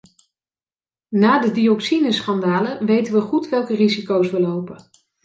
Na de dioxineschandalen weten we goed welke risico's we lopen.